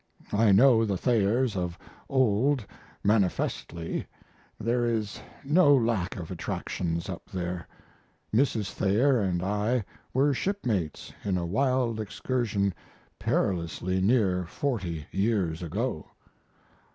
I know the Thayers of old manifestly there is no lack of attractions up there. Mrs. Thayer and I were shipmates in a wild excursion perilously near 40 years ago.